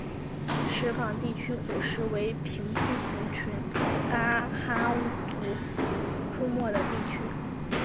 石冈地区古时为平埔族群噶哈巫族出没的地区。